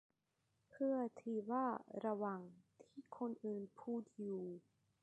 เพื่อที่ว่าระหว่างที่คนอื่นพูดอยู่